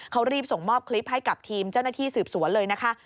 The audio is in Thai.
เขารีบส่งมอบคลิปให้กับทีมเจ้าหน้าที่สืบสวนเลยนะคะ